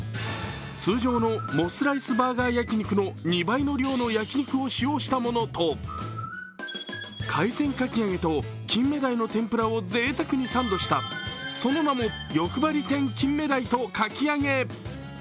通常のモスライスバーガー焼肉の２倍の量の焼き肉を使用したものと、海鮮かきあげと金目鯛の天ぷらをぜいたくにサンドしたその名もよくばり天金目鯛とかきあげ。